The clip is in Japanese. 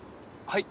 はい？